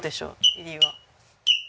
入りは。